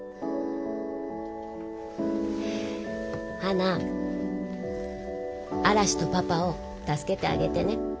花嵐とパパを助けてあげてね。